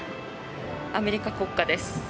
アメリカ国歌です。